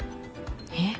えっ？